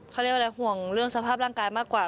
เขาเรียกว่าอะไรห่วงเรื่องสภาพร่างกายมากกว่า